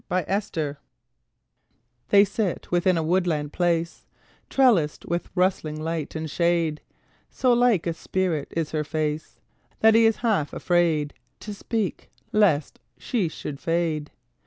LOVERS They sit within a woodland place, Trellised with rustling light and shade; So like a spirit is her face That he is half afraid To speak lest she should fade.